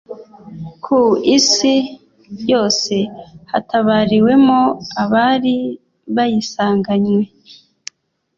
ku Isi yose hatabariwemo abari bayisanganywe